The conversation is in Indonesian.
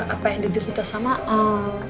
apa yang diderita sama al